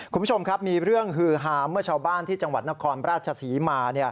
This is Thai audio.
คุณผู้ชมครับมีเรื่องฮือฮาเมื่อชาวบ้านที่จังหวัดนครราชศรีมา